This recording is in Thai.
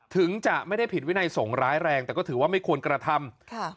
ถึงจะไม่ได้ผิดวินัยสงฆ์ร้ายแรงแต่ก็ถือว่าไม่ควรกระทำค่ะ